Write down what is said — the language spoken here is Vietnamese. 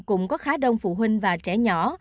cũng có khá đông phụ huynh và trẻ nhỏ